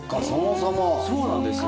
そうなんですよ。